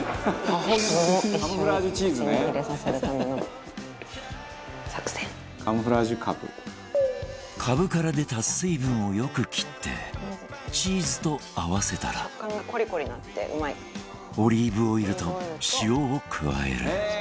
「カモフラージュカブ」カブから出た水分をよく切ってチーズと合わせたらオリーブオイルと塩を加える